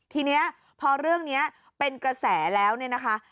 ทีนี้พอเรื่องนี้เป็นกระแสแล้วเนี่ยนะคะ